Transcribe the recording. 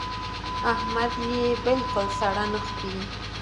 احمد يې بالکل سړه نه خوري.